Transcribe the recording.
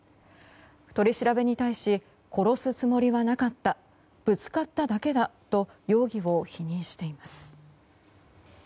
取り調べに対し殺すつもりはなかったぶつかっただけだと容疑を否認しています。